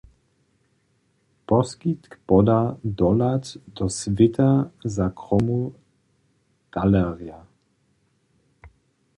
Poskitk poda dohlad do swěta za kromu talerja.